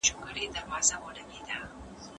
تاسو باید له تعصب او کرکې څخه ډډه وکړئ.